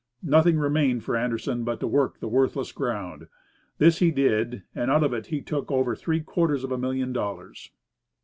Nothing remained for Anderson but to work the worthless ground. This he did, and out of it he took over three quarters of a million of dollars.